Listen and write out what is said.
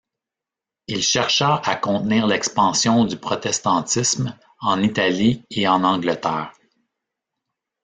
Il chercha à contenir l'expansion du protestantisme en Italie et en Angleterre.